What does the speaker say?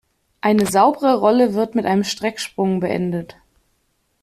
Eine saubere Rolle wird mit einem Strecksprung beendet.